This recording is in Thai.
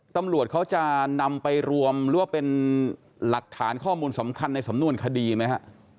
ตำรวจเขาจะนำไปรวมหรือว่าเป็นหลักฐานข้อมูลสำคัญในสำนวนคดีไหมฮะ